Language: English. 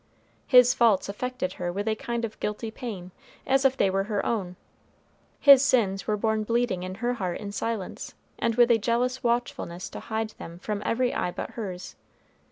His faults affected her with a kind of guilty pain, as if they were her own; his sins were borne bleeding in her heart in silence, and with a jealous watchfulness to hide them from every eye but hers.